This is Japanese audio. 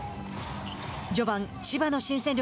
序盤、千葉の新戦力